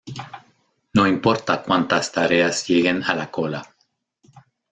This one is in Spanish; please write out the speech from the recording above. No importa cuantas tareas lleguen a la cola.